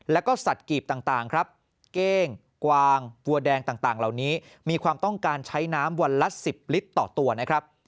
แล้วก็สัตว์กีบต่างครับเก้งกวางวัวแดงต่างเหล่านี้มีความต้องการใช้น้ำวันละ๑๐ลิตรต่อตัวนะครับ